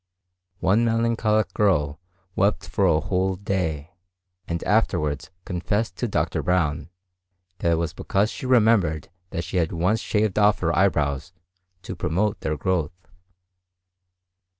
One melancholic girl wept for a whole day, and afterwards confessed to Dr. Browne, that it was because she remembered that she had once shaved off her eyebrows to promote their growth.